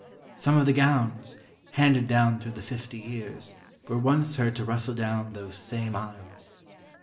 Some of the gowns, handed down through the fifty years, were once heard to rustle down those same aisles.